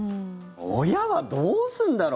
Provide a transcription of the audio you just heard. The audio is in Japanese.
親はどうすんだろ。